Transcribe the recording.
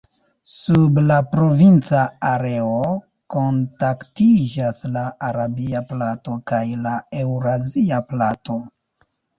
Sub la provinca areo kontaktiĝas la arabia plato kaj la eŭrazia plato.